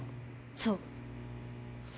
そう。